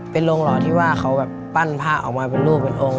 เป็นโรงหล่อที่ว่าเขาแบบปั้นผ้าออกมาเป็นรูปเป็นองค์